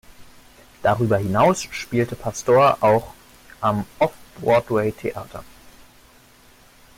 Darüber hinaus spielt Pastore auch am Off-Broadway-Theater.